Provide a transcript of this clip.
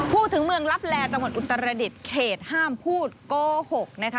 พูดถึงเมืองลับแลจังหวัดอุตรดิษฐ์เขตห้ามพูดโกหกนะคะ